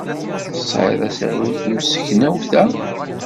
Tesɛid asaru i temseknewt-a?